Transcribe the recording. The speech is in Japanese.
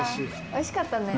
おいしかったね。